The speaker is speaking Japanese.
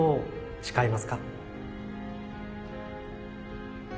誓います